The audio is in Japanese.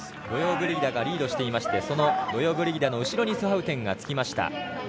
ロヨブリギダがリードしていまして、ロヨブリギダの後ろにスハウテンがつきました。